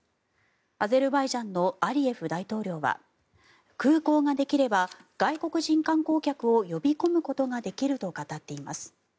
アゼルバイジャンのアリエフ大統領は空港ができれば外国人観光客を呼び込むことができると語っています。